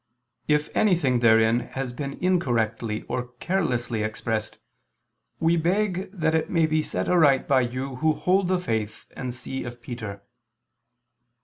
If anything therein has been incorrectly or carelessly expressed, we beg that it may be set aright by you who hold the faith and see of Peter.